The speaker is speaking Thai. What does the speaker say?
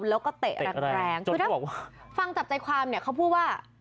แล้วก็เตะแรงคือถ้าฟังจับใจความเนี่ยเขาพูดว่า